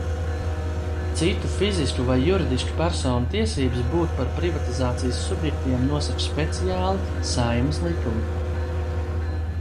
Citu fizisku vai juridisku personu tiesības būt par privatizācijas subjektiem nosaka speciāli Saeimas likumi.